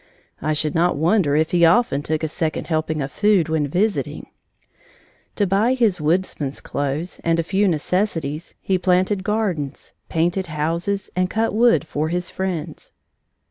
I should not wonder if he often took a second helping of food, when visiting. To buy his woodsman's clothes and a few necessities, he planted gardens, painted houses, and cut wood for his friends.